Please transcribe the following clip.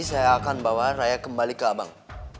saya akan bawa saya kembali ke abang